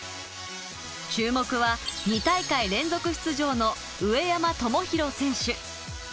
注目は、２大会連続出場の上山友裕選手。